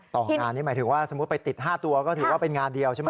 ต่องานนี่หมายถึงว่าสมมุติไปติด๕ตัวก็ถือว่าเป็นงานเดียวใช่ไหม